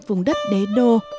vùng đất đế đô